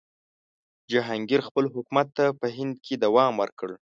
جهانګیر خپل حکومت ته په هند کې دوام ورکړ.